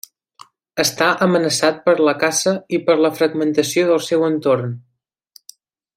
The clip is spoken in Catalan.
Està amenaçat per la caça i per la fragmentació del seu entorn.